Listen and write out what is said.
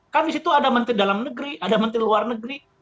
kan di situ ada menteri dalam negeri ada menteri luar negeri